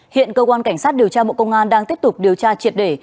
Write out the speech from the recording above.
hiện cơ quan cảnh sát điều tra bộ công an đang tiếp tục điều tra triệt để